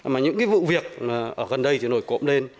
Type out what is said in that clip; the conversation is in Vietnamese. mà những vụ việc gần đây thì nổi cộm lên